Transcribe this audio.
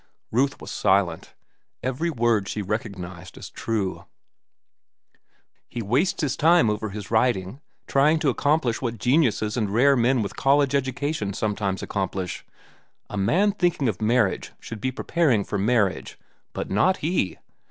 Ruth was silent. Every word she recognized as true. "He wastes his time over his writing, trying to accomplish what geniuses and rare men with college educations sometimes accomplish. A man thinking of marriage should be preparing for marriage. But not he.